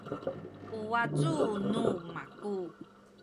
u wacu nu maku